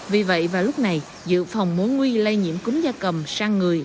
vì vậy vào lúc này dự phòng mối nguy lây nhiễm cúm da cầm sang người